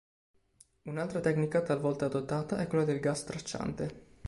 Un'altra tecnica talvolta adottata è quella del gas tracciante.